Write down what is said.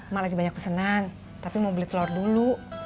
mak lagi banyak pesenan tapi mau beli telur dulu